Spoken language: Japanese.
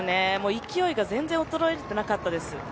勢いが全然衰えていなかったです。